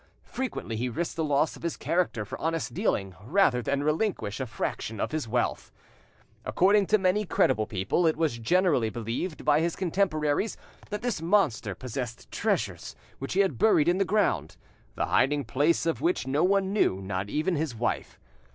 Frequently he risked the loss of his character for honest dealing rather than relinquish a fraction of his wealth. According to many credible people, it was generally believed by his contemporaries that this monster possessed treasures which he had buried in the ground, the hiding place of which no one knew, not even his wife.